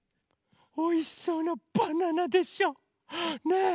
おいしそうなバナナでしょ？ねえ。